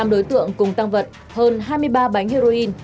năm đối tượng cùng tăng vật hơn hai mươi ba bánh heroin